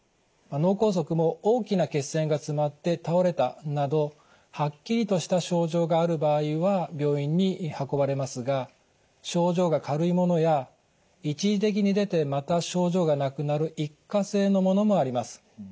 脳梗塞も大きな血栓が詰まって倒れたなどはっきりとした症状がある場合は病院に運ばれますが症状が軽いものや一時的に出てまた症状がなくなる一過性のものもあります。